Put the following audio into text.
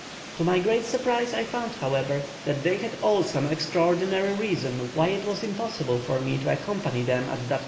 To my great surprise I found, however, that they had all some extraordinary reason why it was impossible for me to accompany them at that particular time.